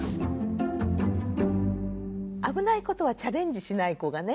危ないことはチャレンジしない子がね